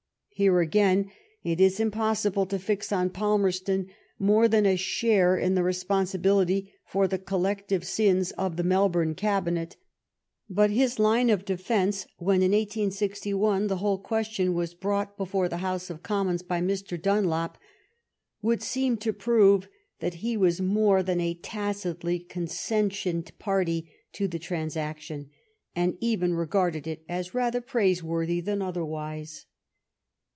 Here, again, it is impossible to fix on Palmer , ston more than a share in the responsibility for the collective sins of the Melbourne Cabinet ; but his line of defence, when in 1861 the whole question was brought before the House of Oommons by Mr. Dunlop, would seem to prove that he was more than a tacitly consen tient party to the transaction, and even regarded it as rather praiseworthy than otherwise.